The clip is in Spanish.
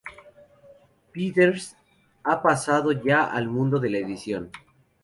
Peeters ha pasado ya al mundo de la edición.